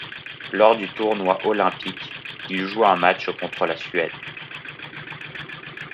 Lors du tournoi olympique, il joue un match contre la Suède.